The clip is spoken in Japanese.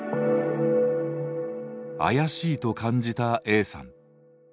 怪しいと感じたＡさん。